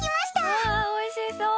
うわー、おいしそう！